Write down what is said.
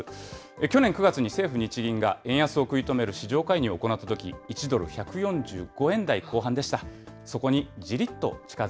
去年９月に政府・日銀が円安を食い止める市場介入を行ったとき、１ドル１４５円台後半でした。